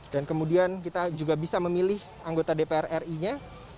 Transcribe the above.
dan kemudian kita juga bisa memilih anggota dpr ri nya